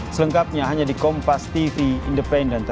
selengkapnya hanya di kompas tv independen